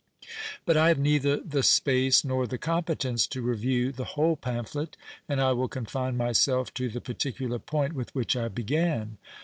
But 1 have neither the space nor the competence to review the whole pamphlet, and I will confine myself to the particular point with which I began.